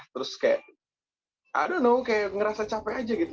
terus kayak i don't know kayak ngerasa capek aja gitu